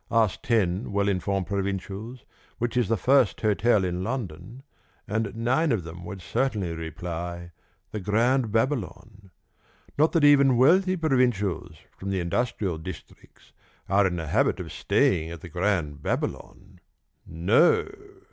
Ask ten well informed provincials which is the first hotel in London, and nine of them would certainly reply, the Grand Babylon. Not that even wealthy provincials from the industrial districts are in the habit of staying at the Grand Babylon! No!